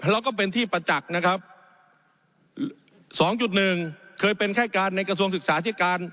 แล้วก็เป็นที่ประจักษ์นะครับ๒๑เคยเป็นแค่การในกระทรวงศึกษาที่การ